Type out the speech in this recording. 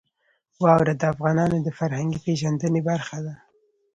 واوره د افغانانو د فرهنګي پیژندنې برخه ده.